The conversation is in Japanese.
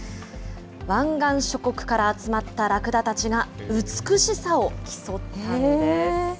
湾岸諸国から集まったラクダたちが、美しさを競ったんです。